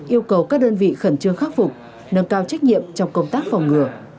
yêu cầu các đơn vị khẩn trương khắc phục nâng cao trách nhiệm trong công tác phòng ngừa